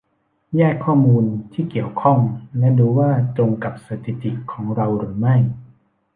แยกข้อมูลที่เกี่ยวข้องและดูว่าตรงกับสถิติของเราหรือไม่